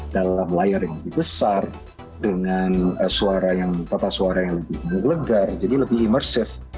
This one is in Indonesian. dalam layar yang lebih besar dengan suara yang tata suara yang lebih legar jadi lebih imersif